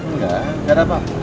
enggak gak ada apa apa